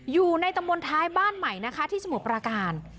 อยู่ในตำบลท้ายบ้านใหม่นะคะที่สมุทรปราการ